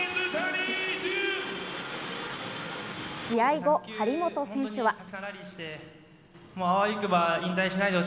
試合後、張本選手は。